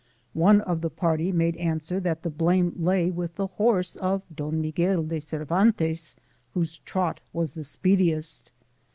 One of the party made answer that the blame lay with the horse of Don Miguel de Cervantes, whose trot was of the speediest.